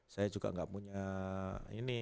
saya juga nggak punya ini